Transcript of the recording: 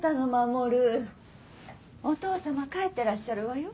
守お父様帰ってらっしゃるわよ。